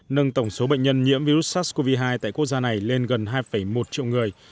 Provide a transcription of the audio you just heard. nâng tổng số bệnh nhân nhiễm virus sars cov hai tại quốc gia này lên gần hai một triệu người